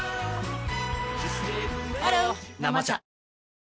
ハロー「生茶」